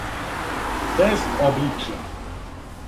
без обличја